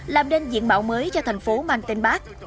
làm nên diện bạo mới cho thành phố mang tên bắc